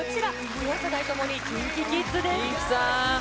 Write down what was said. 両世代ともに、ＫｉｎＫｉＫｉキンキさん。